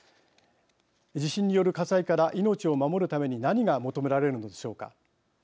地震による火災から命を守るために何が求められるのでしょうか。